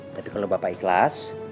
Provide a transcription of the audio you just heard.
tapi kalau bapak ikhlas